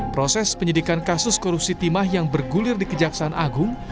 proses penyidikan kasus korupsi timah yang bergulir di kejaksaan agung